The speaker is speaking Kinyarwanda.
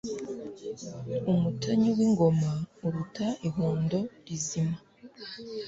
umutanyu w'ingoma uruta ihundo rizima